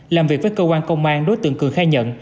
làm việc với cơ quan công an đối tượng cường khai nhận